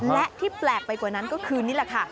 และที่แปลกไปกว่านั้นก็คือนี่แหละค่ะ